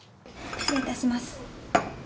失礼いたします。